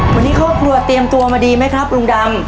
วันนี้ครอบครัวเตรียมตัวมาดีไหมครับลุงดำ